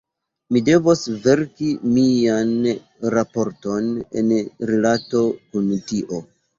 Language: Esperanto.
Mi devos verki mian raporton en rilato kun tio.